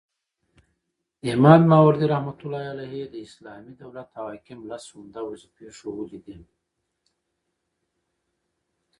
امام ماوردي رحمه الله د اسلامي دولت او حاکم لس عمده وظيفي ښوولي دي